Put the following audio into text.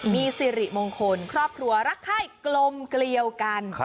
มีสิริมงคลครอบครัวรักไข้กลมเกลียวกัน